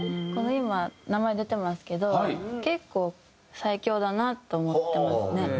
今名前出てますけど結構最強だなと思ってますね。